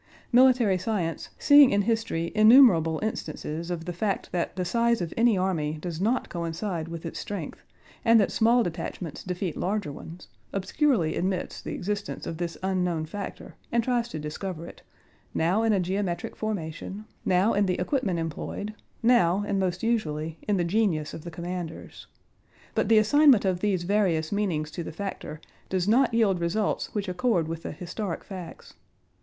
Military science, seeing in history innumerable instances of the fact that the size of any army does not coincide with its strength and that small detachments defeat larger ones, obscurely admits the existence of this unknown factor and tries to discover it—now in a geometric formation, now in the equipment employed, now, and most usually, in the genius of the commanders. But the assignment of these various meanings to the factor does not yield results which accord with the historic facts.